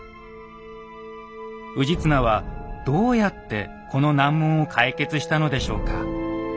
氏綱はどうやってこの難問を解決したのでしょうか？